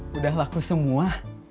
sudah laku semua